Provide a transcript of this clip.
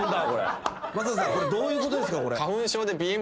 松坂さんどういうことですか？